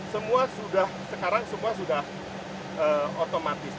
semua sudah sekarang semua sudah otomatis